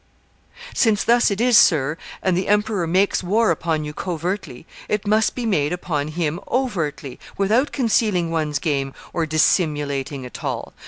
Since thus it is, sir, and the emperor makes war upon you covertly, it must be made upon him overtly, without concealing one's game or dissimulating at all.